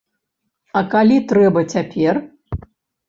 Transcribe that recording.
А калі трэба цяпер?